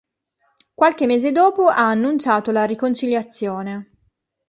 Qualche mese dopo ha annunciato la riconciliazione.